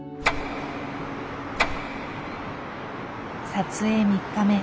撮影３日目。